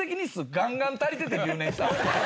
ガンガン足りてて留年したんすよ。